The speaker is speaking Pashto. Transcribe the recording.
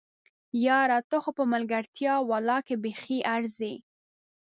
یاره! ته خو په ملګرتيا ولله که بیخي ارځې!